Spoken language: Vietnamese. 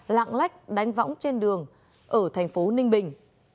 mạng lách đánh võng trên đường ở tp ninh bình